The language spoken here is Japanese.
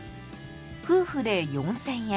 夫婦で４０００円